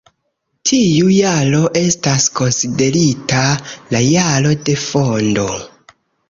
Tiu jaro estas konsiderita la jaro de fondo.